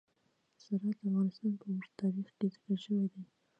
زراعت د افغانستان په اوږده تاریخ کې ذکر شوی دی.